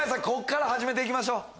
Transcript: ここから始めて行きましょう。